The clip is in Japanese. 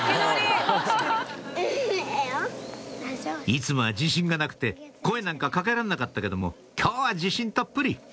いつもは自信がなくて声なんか掛けられなかったけども今日は自信たっぷり！